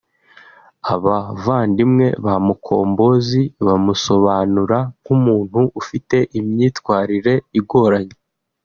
Abavandimwe ba Mukombozi bamusobanura nk’umuntu ufite imyitwarire igoranye